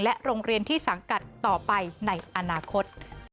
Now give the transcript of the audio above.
โรงเรียนที่สังกัดต่อไปในอนาคต